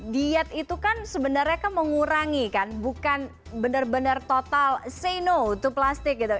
diet itu kan sebenarnya mengurangi kan bukan benar benar total say no to plastik gitu